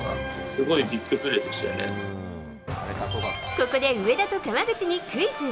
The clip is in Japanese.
ここで上田と川口にクイズ！